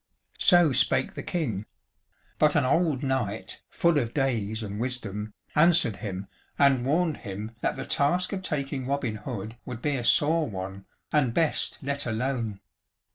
So spake the King; but an old knight, full of days and wisdom, answered him and warned him that the task of taking Robin Hood would be a sore one, and best let alone.